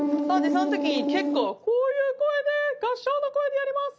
その時に結構こういう声で合唱の声でやります。